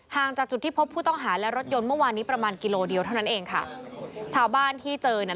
จากจุดที่พบผู้ต้องหาและรถยนต์เมื่อวานนี้ประมาณกิโลเดียวเท่านั้นเองค่ะชาวบ้านที่เจอเนี่ย